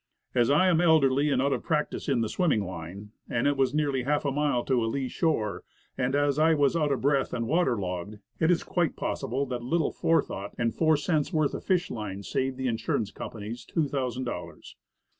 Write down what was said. As I am elderly and out of practice in the swimming line, and it was nearly half a mile to a lee shore, and, as I was out of breath and water logged, it is quite possible that a little fore 146 Woodcraft. thought and four cents' worth of fishline saved insurance companies two thousand dollars.